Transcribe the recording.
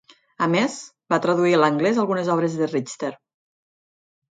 A més, va traduir a l'anglès algunes obres de Richter.